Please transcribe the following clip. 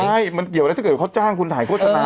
ไม่ก็เหลือว่าถ้าเขาจ้านคุณหายโฆษณา